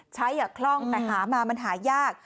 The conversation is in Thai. ใช้คล่องที่หามามันหายาก